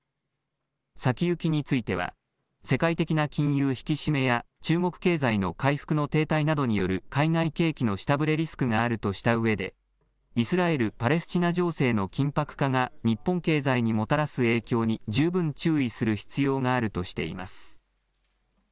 先行きについては、世界的な金融引き締めや中国経済の回復の停滞などによる海外景気の下振れリスクがあるとしたうえで、イスラエル・パレスチナ情勢の緊迫化が、日本経済にもたらす影響に十分注意する必要があるとしています。